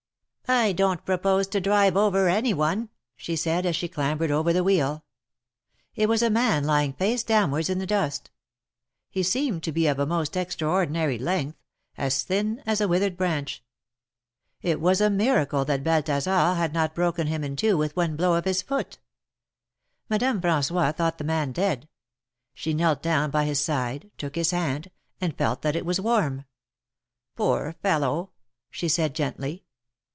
I don't propose to drive over any one," she said, as she clambered over the wheel. THE MAEKETS OF PARIS. 23 It was a man lying face downwards in the dust. He \ seemed to be of a most extraordinary length — as thin as a withered branch. It was a miraale that Balthasar had not broken him in two with one blow of his foot. Mad ame Fran9ois thought the man dead. She knelt down by his side, took his hand, and felt that it was warm. Poor fellow !" she said, gently.